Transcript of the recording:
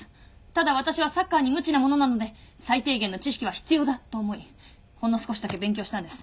ただ私はサッカーに無知なものなので最低限の知識は必要だと思いほんの少しだけ勉強したんです